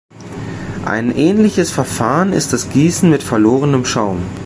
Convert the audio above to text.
Ein ähnliches Verfahren ist das Gießen mit verlorenem Schaum.